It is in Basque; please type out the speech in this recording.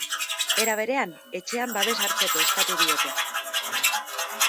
Era berean, etxean babes hartzeko eskatu diete.